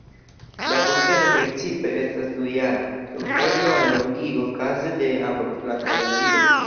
La posteno principe estas dujara, kun eblo al longigo kaze de ambaŭflanka deziro.